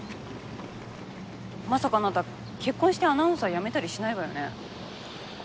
まさかあなた結婚してアナウンサーやめたりしないわよね？